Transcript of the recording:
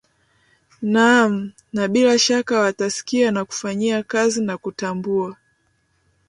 naam na bila shaka watasikia na kuyafanyia kazi na kutambua